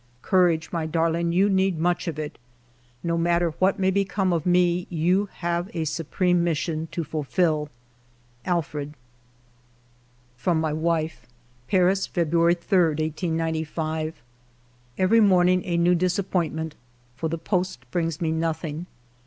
" Courage, my darling ; you need much of it. No matter what may become of me, you have a supreme mission to fulfil. Alfred." From my wife :— "Paris, February 3, 1895. " Every morning a new disappointment, for the post brings me nothing.